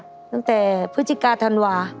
ตั้งแต่พฤจิกาธรรมวา